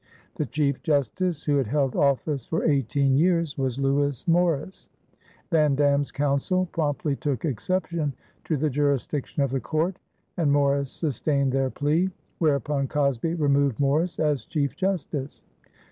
The Chief Justice, who had held office for eighteen years, was Lewis Morris. Van Dam's counsel promptly took exception to the jurisdiction of the court and Morris sustained their plea, whereupon Cosby removed Morris as Chief Justice.